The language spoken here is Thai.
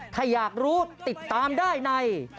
ถ้าอยากรู้สิติดตามใน